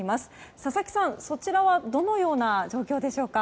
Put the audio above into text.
佐々木さん、そちらはどのような状況でしょうか。